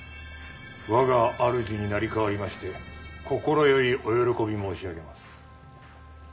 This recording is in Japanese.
我が主に成り代わりまして心よりお喜び申し上げます。